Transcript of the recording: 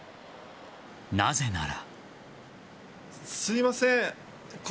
なぜなら。